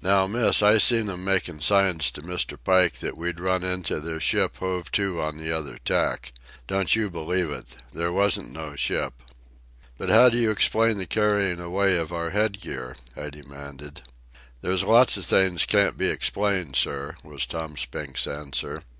"Now, Miss, I seen 'em makin' signs to Mr. Pike that we'd run into their ship hove to on the other tack. Don't you believe it. There wasn't no ship." "But how do you explain the carrying away of our head gear?" I demanded. "There's lots of things can't be explained, sir," was Tom Spink's answer.